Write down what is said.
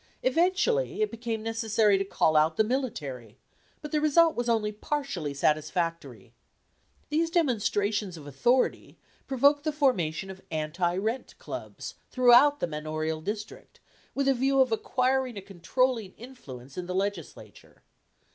Eventually it became necessary to call out the military, but the result was only partially satisfactory. These demonstrations of authority provoked the formation of 'anti rent clubs' throughout the manorial district, with a view of acquiring a controlling influence in the legislature.